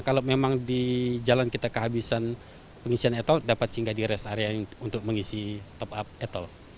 kalau memang di jalan kita kehabisan pengisian etol dapat singgah di rest area ini untuk mengisi top up etol